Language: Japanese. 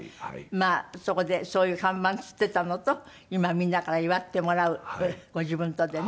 まあそこでそういう看板つってたのと今みんなから祝ってもらうご自分とでね。